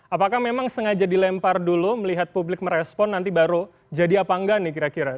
apakah memang sengaja dilempar dulu melihat publik merespon nanti baru jadi apa enggak nih kira kira